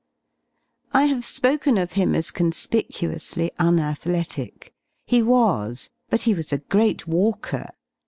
I have spoken of him as conspicuously unathletic. He was, hut he was a great walker.